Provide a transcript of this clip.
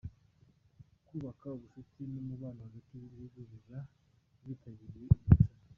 Kubaka ubushuti n’umubano hagati y’ibihugu biba byitabiriye iri rushanwa.